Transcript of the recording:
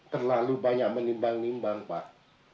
terlalu banyak menimbang nimbang pak